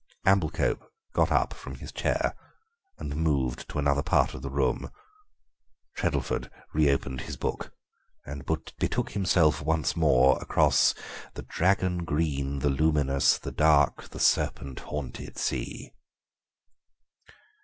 Amblecope got up from his chair and moved to another part of the room. Treddleford reopened his book and betook himself once more across The dragon green, the luminous, the dark, the serpent haunted sea.